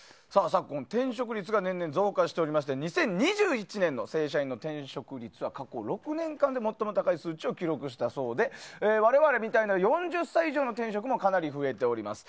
転職率が年々増加していまして２０２１年の正社員の転職率は過去６年間で最も高い数値を記録したそうで我々みたいな４０歳以上の転職もかなり増えております。